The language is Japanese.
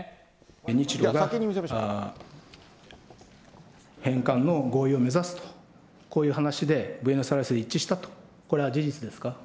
日ロが返還の合意を目指すと、こういう話でブエノスアイレスで一致したと、これは事実ですか。